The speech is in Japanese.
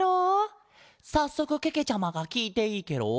さっそくけけちゃまがきいていいケロ？